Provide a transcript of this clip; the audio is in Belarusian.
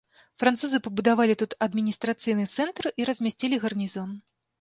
Французы пабудавалі тут адміністрацыйны цэнтр і размясцілі гарнізон.